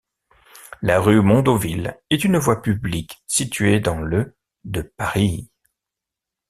La rue Mondonville est une voie publique située dans le de Paris.